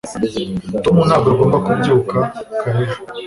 tom ntabwo agomba kubyuka kare ejo